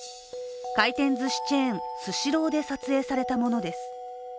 回転ずしチェーン、スシローで撮影されたものです。